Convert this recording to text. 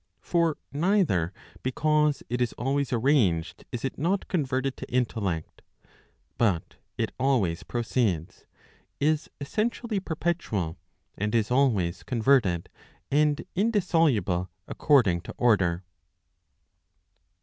For neither because it is always arranged is it not converted to intellect, but it always proceeds, is essentially perpetual, and is always converted, and indissoluble according to order.